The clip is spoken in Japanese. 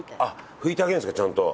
拭いてあげるんですかちゃんと。